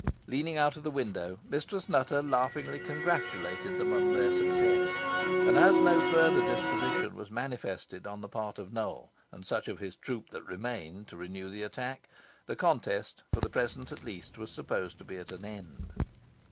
Leaning out of the window, Mistress Nutter laughingly congratulated them on their success, and, as no further disposition was manifested on the part of Nowell and such of his troop that remained to renew the attack, the contest, for the present at least, was supposed to be at an end.